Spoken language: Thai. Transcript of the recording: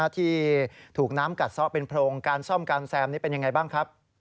ที่ถูกน้ำกัดซะเป็นโพรงการซ่อมการแซมนี่เป็นยังไงบ้างครับ